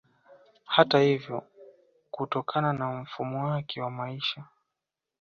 Hata hivyo kutokana na mfumo wake wa maisha